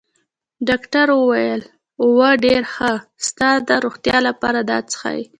ډاکټر وویل: اوه، ډېر ښه، ستا د روغتیا لپاره، و څښئ.